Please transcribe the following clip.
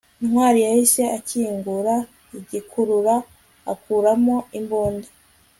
ntwali yahise akingura igikurura akuramo imbunda